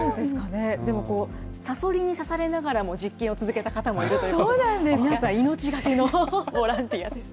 でもこう、サソリにさされながらも実験を続けた方もいるということで、皆さん、命懸けのボランティアです。